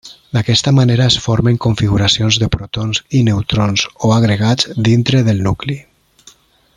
D'aquesta manera es formen configuracions de protons i neutrons o agregats dintre del nucli.